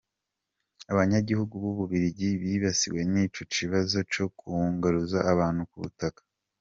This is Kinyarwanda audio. Abanyagihugu b'Ububiligi bibasiwe n'ico kibazo co kwunguruza abantu ku butaka.